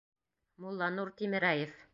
Мулланур ТИМЕРӘЕВ